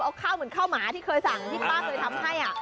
เอาข้าวเหมือนข้าวหมาที่เคยสั่งที่ป้าเคยทำให้